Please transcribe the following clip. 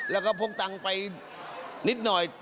แล้วก็พกตังค์ไปนิดหน่อย